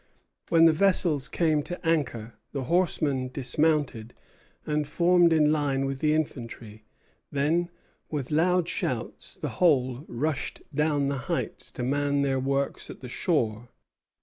When the vessels came to anchor, the horsemen dismounted and formed in line with the infantry; then, with loud shouts, the whole rushed down the heights to man their works at the shore.